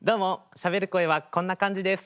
しゃべる声はこんな感じです。